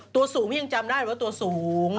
ตัวสูงยังจำได้หรือว่าตัวสูง